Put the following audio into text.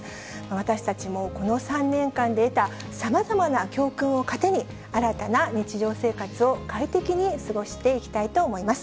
私たちもこの３年間で得たさまざまな教訓を糧に、新たな日常生活を快適に過ごしていきたいと思います。